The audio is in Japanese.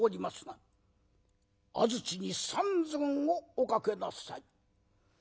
「あずちに３寸をおかけなさい」。